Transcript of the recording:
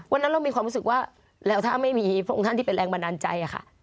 วันนั้นเรามีความรู้สึกว่าแล้วถ้าไม่มีพระองค์ท่านที่เป็นแรงบันดาลใจค่ะ